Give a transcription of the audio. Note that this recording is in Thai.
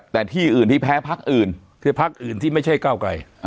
แต่ที่อื่นที่แพ้พักอื่นคือพักอื่นที่ไม่ใช่เก้าไกล